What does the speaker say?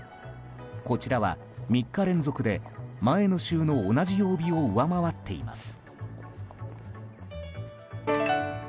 こちらは３日連続で前の週の同じ曜日を上回っています。